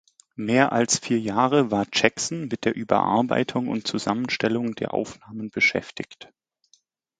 Mehr als vier Jahre war Jackson mit der Überarbeitung und Zusammenstellung der Aufnahmen beschäftigt.